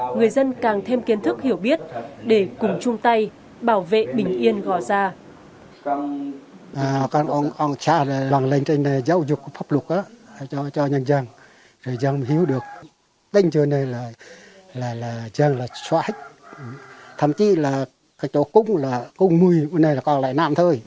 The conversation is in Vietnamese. người dân càng thêm kiến thức hiểu biết để cùng chung tay bảo vệ bình yên gò gia